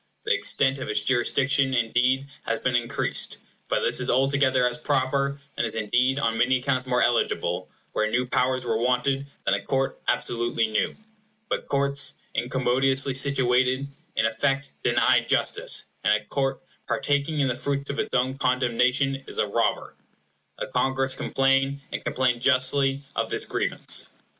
The extent of its jurisdiction, indeed, has been increased, but this is altogether as proper, and is indeed on many accounts more eligible, where new powers were wanted, than a court absolutely new. But courts incommodiously situated, in effect, deny justice, and a court partaking in the fruits of its own condemnation is a robber. The Congress complain, and complain justly, of this grievance.